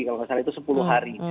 kalau nggak salah itu sepuluh hari